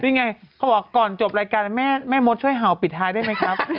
นี่ไงเขาบอกก่อนจบรายการแม่มดช่วยเห่าปิดท้ายได้ไหมครับ